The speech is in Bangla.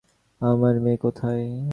আমার মেয়ে কোথায়?